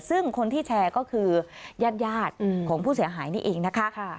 ซึ่งคนที่แชร์ก็คือญาติของผู้เสียหายนี่เองนะคะ